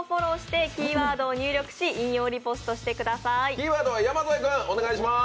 キーワードは山添君お願いします。